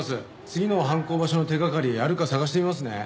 次の犯行場所の手掛かりあるか捜してみますね。